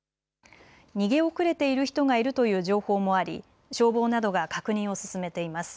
逃げ遅れている人がいるという情報もあり消防などが確認を進めています。